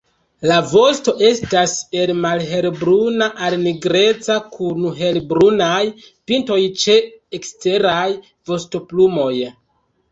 La vosto estas el malhelbruna al nigreca kun helbrunaj pintoj ĉe eksteraj vostoplumoj.